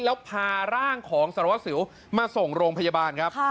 แล้วพาร่างของสารวัสสิวมาส่งโรงพยาบาลครับ